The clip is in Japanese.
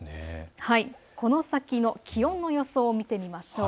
この先の気温の予想を見てみましょう。